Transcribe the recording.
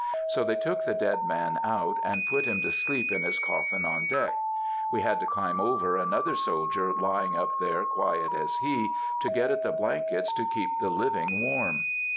So they took the dead man out, and put him to sleep in his coffin on deck. We had to climb over another soldier lying up there quiet as he, to get at the blankets to keep the living warm."